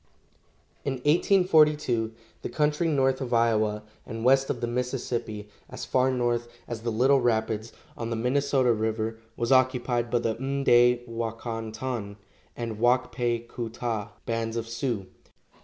In 1842 the country north of Iowa and west of the Mississippi as far north as the Little Rapids, on the Minnesota river, was occupied by the M'day wa kon ton and Wak pe ku ta bands of Sioux.